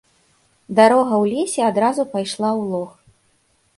Дарога ў лесе адразу пайшла ў лог.